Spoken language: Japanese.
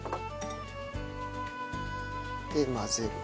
で混ぜる。